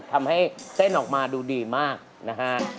ทำให้เต้นออกมาดูดีมากนะฮะ